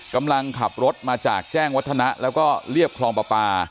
กำลังขับรถมาจากแจ้งวัฒนะแล้วก็เรียบคลองปลาปลา